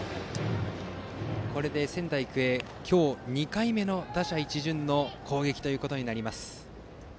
これで仙台育英、今日２回目の打者一巡の攻撃となります。